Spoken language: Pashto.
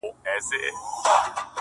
د طبيعت دې نندارې ته ډېر حيران هم يم ـ